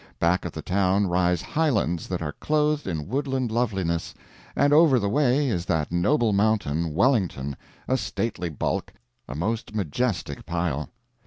Back of the town rise highlands that are clothed in woodland loveliness, and over the way is that noble mountain, Wellington, a stately bulk, a most majestic pile.